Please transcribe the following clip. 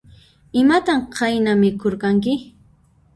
Imatan qayna mikhurqanki?